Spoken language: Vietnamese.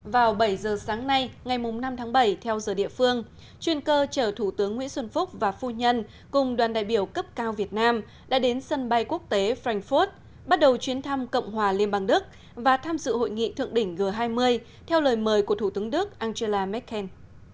vào bảy giờ sáng nay ngày năm tháng bảy theo giờ địa phương chuyên cơ chở thủ tướng nguyễn xuân phúc và phu nhân cùng đoàn đại biểu cấp cao việt nam đã đến sân bay quốc tế frankfurt bắt đầu chuyến thăm cộng hòa liên bang đức và tham dự hội nghị thượng đỉnh g hai mươi theo lời mời của thủ tướng đức angela merkel